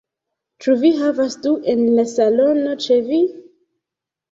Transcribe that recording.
Ĉu vi havas du en la salono ĉe vi?